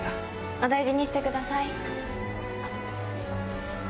お大事にしてください。